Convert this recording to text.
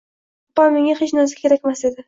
Opam menga hech narsa kerakmas dedi.